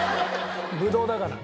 ブドウだからね。